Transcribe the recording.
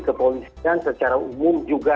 kepolisian secara umum juga